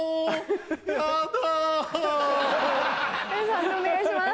判定お願いします。